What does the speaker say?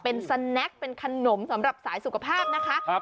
เป็นสแนคเป็นขนมสำหรับสายสุขภาพนะคะ